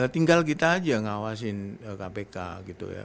tinggal kita aja ngawasin kpk gitu ya